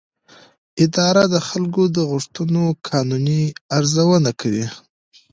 اداره د خلکو د غوښتنو قانوني ارزونه کوي.